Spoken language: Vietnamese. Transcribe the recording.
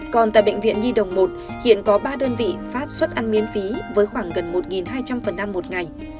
còn tại bệnh viện nhi đồng một hiện có ba đơn vị phát suất ăn miễn phí với khoảng gần một hai trăm linh phần ăn một ngày